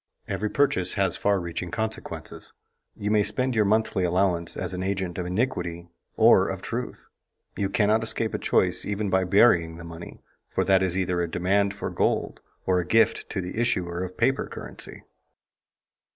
Every purchase has far reaching consequences. You may spend your monthly allowance as an agent of iniquity or of truth. You cannot escape a choice even by burying the money, for that is either a demand for gold or a gift to the issuer of paper currency.